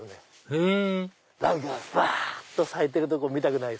へぇランが咲いてるとこ見たくない？